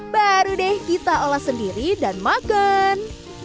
baru deh kita olah sendiri dan makan